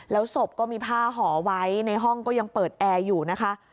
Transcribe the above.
แล้วศพก็มีผ้าห่อไว้ในห้องก็ยังเปิดแอร์อยู่นะคะ